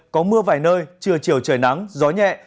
có mưa vài nơi trưa chiều trời nắng gió nhẹ